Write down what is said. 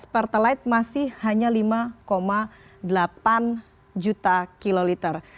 pertalite masih hanya lima delapan juta kiloliter